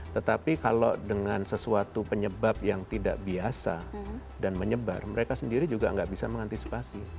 tetapi kalau dengan sesuatu penyebab yang tidak biasa dan menyebar mereka sendiri juga nggak bisa mengantisipasi